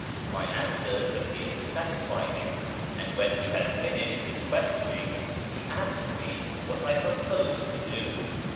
My answers appeared to satisfy him; and when he had finished his questioning he asked me what I proposed to do.